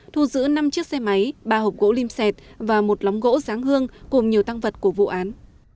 thu giữ năm chiếc xe máy ba hộp gỗ lim xẹt và một lóng gỗ ráng hương cùng nhiều tăng vật của vụ án